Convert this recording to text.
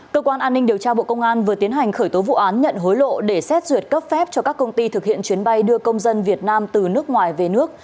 cơ quan an ninh điều tra bộ công an vừa tiến hành khởi tố vụ án nhận hối lộ để xét duyệt cấp phép cho các công ty thực hiện chuyến bay đưa công dân việt nam từ nước ngoài về nước